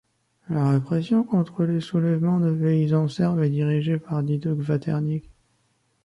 La répression contre les soulèvements de paysans serbes est dirigée par Dido Kvaternik.